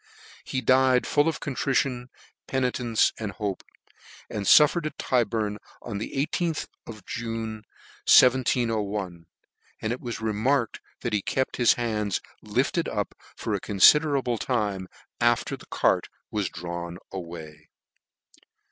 He died fall of contrition, penitence, and hope ; and fuftercd at Tyburn, on the IStk of June, 1/01 ; and it was remarked that he kept his hands lifted up for a considerable time after the cart was drawn 5 way.